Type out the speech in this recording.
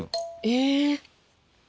え。